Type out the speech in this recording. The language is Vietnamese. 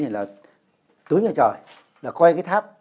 nói về nôm ấy thì là tướng nhà trời là quay cái tháp